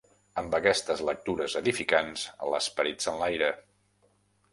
Amb aquestes lectures edificants, l'esperit s'enlaira.